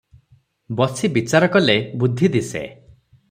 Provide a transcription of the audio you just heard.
ବସି ବିଚାର କଲେ ବୁଦ୍ଧି ଦିଶେ ।